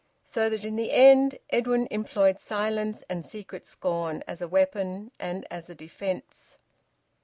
So that in the end Edwin employed silence and secret scorn, as a weapon and as a defence.